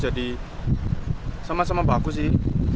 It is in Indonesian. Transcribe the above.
jadi sama sama bagus sih